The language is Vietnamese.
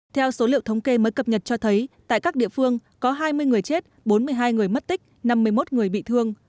theo số liệu thống kê mới cập nhật cho thấy tại các địa phương có hai mươi người chết bốn mươi hai người mất tích năm mươi một người bị thương